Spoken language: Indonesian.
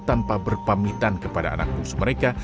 tanpa berpamitan kepada anak bungsu mereka